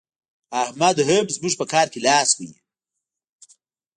احمد هم زموږ په کار کې لاس وهي.